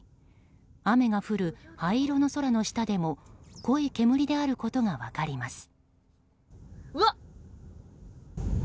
雨が降る灰色の空の下でも濃い煙であることが分かります。